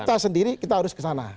kita sendiri kita harus ke sana